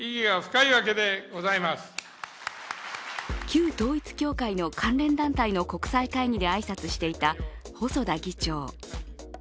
旧統一教会の関連団体の国際会議で挨拶していた細田議長。